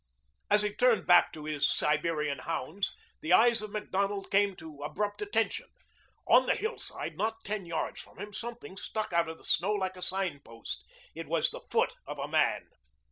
As he turned back to his Siberian hounds, the eyes of Macdonald came to abrupt attention. On the hillside, not ten yards from him, something stuck out of the snow like a signpost. It was the foot of a man.